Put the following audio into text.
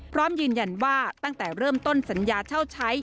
พร้อมยืนยันว่าตั้งแต่เริ่มต้นสัญญาเช่าใช้